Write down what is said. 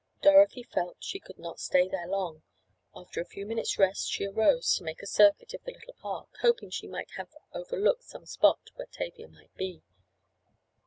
Dorothy felt she could not stay there long. After a few minutes' rest she arose to make a circuit of the little park, hoping she might have overlooked some spot where Tavia might be.